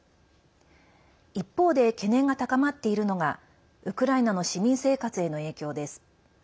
一方で懸念が高まっているのがウクライナの市民生活への影響です。